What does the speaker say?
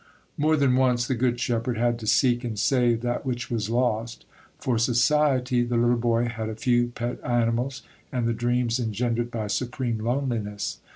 More than once the good shepherd had to seek and save that which was lost. For society, the little boy had a few pet animals and the dreams engendered by supreme loneliness.